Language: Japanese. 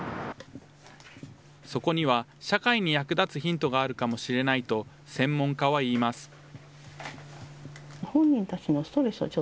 そこには、社会に役立つヒントがあるかもしれないと、専門家は言います。